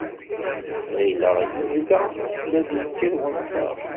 Ɣileɣ yebda la d-yekkat wenẓar.